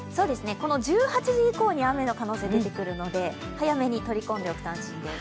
１８時以降に雨の可能性が出てくるので、早めに取り込んでおくと安心です。